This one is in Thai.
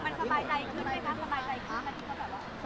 มันสบายใจขึ้นไหมคะสบายใจขึ้นค่ะ